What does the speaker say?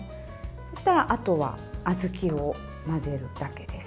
そうしたらあとは小豆を混ぜるだけです。